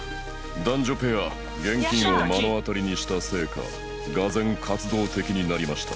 男女ペア現金を目の当たりにしたせいかがぜん活動的になりました